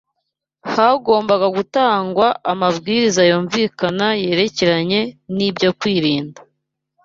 hagomba gutangwa amabwiriza yumvikana yerekeranye n’ibyo kwirinda